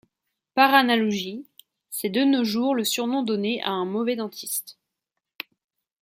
Par analogie, c'est de nos jours le surnom donné a un mauvais dentiste.